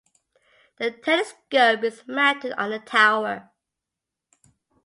The telescope is mounted on a tower.